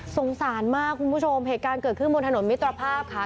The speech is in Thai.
สงสารมากคุณผู้ชมเหตุการณ์เกิดขึ้นบนถนนมิตรภาพค่ะ